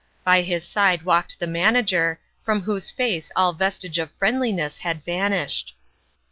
By his side w r alked the Manager, from whose face all vestige of friend liness had vanished.